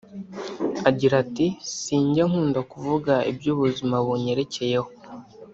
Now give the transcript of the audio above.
Agira ati “Sinjya nkunda kuvuga iby’ubuzima bunyerekeyeho